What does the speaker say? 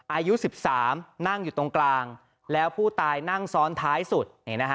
อายุ๑๓นั่งอยู่ตรงกลางแล้วผู้ตายนั่งซ้อนท้ายสุด